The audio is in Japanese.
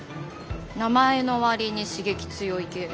名前の割に刺激強い系。